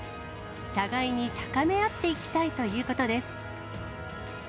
互いに高め合っていきたいということです。